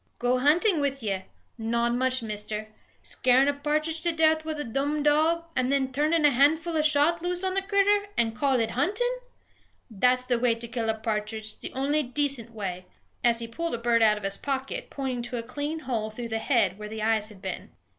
"Go hunting with ye? Not much, Mister. Scarin' a pa'tridge to death with a dum dog, and then turnin' a handful o' shot loose on the critter, an' call it huntin'! That's the way to kill a pa'tridge, the on'y decent way" and he pulled a bird out of his pocket, pointing to a clean hole through the head where the eyes had been.